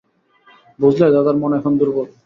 বুঝলে দাদার মন এখন দুর্বল।